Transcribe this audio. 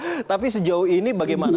nah tapi sejauh ini bagaimana